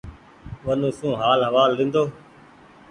ونو سون هآل هوآل لينۮو ۔